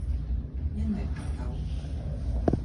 因爲怕狗，